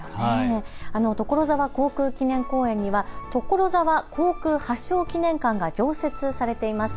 所沢航空記念公園には所沢航空発祥記念館が常設されています。